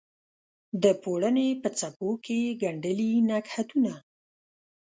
د پوړنې په څپو کې یې ګنډلي نګهتونه